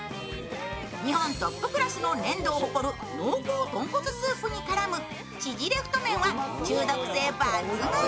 日本トップクラスの粘度を誇る濃厚とんこつスープに絡む縮れ太麺は中毒性抜群。